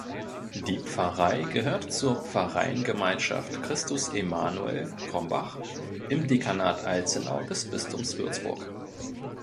Die Pfarrei gehört zur Pfarreiengemeinschaft Christus Emanuel (Krombach) im Dekanat Alzenau des Bistums Würzburg.